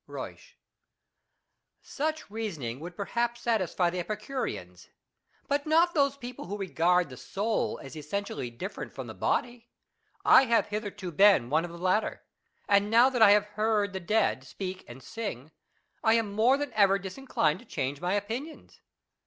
Euysch, Such reasoning would perhaps satisfy the Epicureans, but not those people who regard the soul as essentially different from the body. I have hitherto been one of the latter, and now that I have heard the dead speak and sing I am more than ever disinclined to change my opinions.